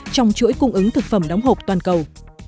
trong chuỗi cung ứng thực phẩm đóng hộp toàn cầu